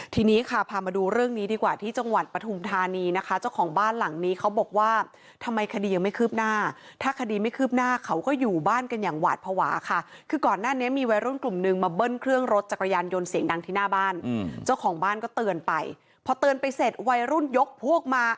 ทีนี้ค่ะพามาดูเรื่องนี้ดีกว่าที่จังหวัดปฐุมธานีนะคะเจ้าของบ้านหลังนี้เขาบอกว่าทำไมคดียังไม่คืบหน้าถ้าคดีไม่คืบหน้าเขาก็อยู่บ้านกันอย่างหวาดภาวะค่ะคือก่อนหน้านี้มีวัยรุ่นกลุ่มนึงมาเบิ้ลเครื่องรถจักรยานยนต์เสียงดังที่หน้าบ้านเจ้าของบ้านก็เตือนไปพอเตือนไปเสร็จวัยรุ่นยกพวกมา